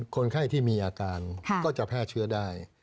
คนไข้ที่มีอาการก็จะแพร่เชื้อได้